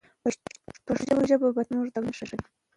پښتو ژبه به تل زموږ د ویاړ نښه وي.